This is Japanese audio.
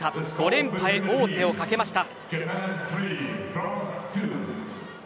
５連覇へ王手をかけました。